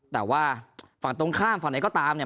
แต่ว่าฝั่งตรงข้ามฝั่งไหนก็ตามเนี่ย